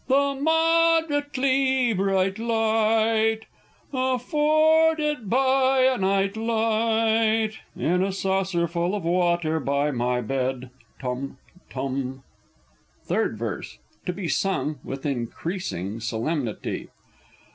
The moderately bright light Afforded by a night light, In a saucerful of water by my bed! (Tum tum!) Third Verse. (_To be sung with increasing solemnity.